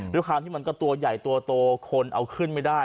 ด้วยความที่มันก็ตัวใหญ่ตัวโตคนเอาขึ้นไม่ได้